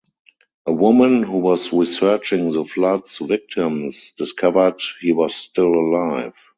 A woman who was researching the flood's victims discovered he was still alive.